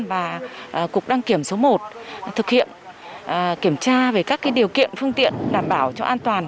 và cục đăng kiểm số một thực hiện kiểm tra về các điều kiện phương tiện đảm bảo cho an toàn